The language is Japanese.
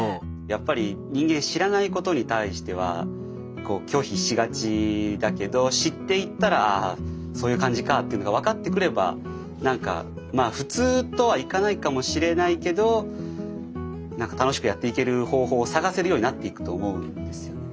やっぱり人間知らないことに対しては拒否しがちだけど知っていったらそういう感じかっていうのが分かってくれば何かまあ普通とはいかないかもしれないけど何か楽しくやっていける方法を探せるようになっていくと思うんですよね。